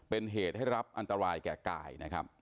เป็นเหตุให้รับอันตรายแก่กาย